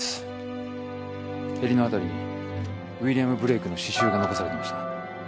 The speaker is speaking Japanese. へりの辺りにウィリアム・ブレイクの詩集が残されていました。